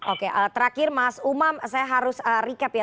oke terakhir mas umam saya harus recap ya